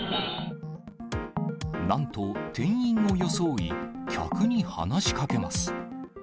なんと、店員を装い、客に話しかけます。